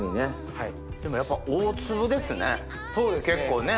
でもやっぱ大粒ですね結構ね。